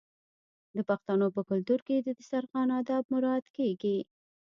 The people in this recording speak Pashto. د پښتنو په کلتور کې د دسترخان اداب مراعات کیږي.